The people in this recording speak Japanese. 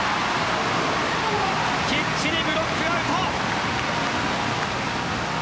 きっちりブロックアウト。